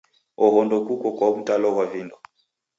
Oho ndokuko kwa mtalo ghwa vindo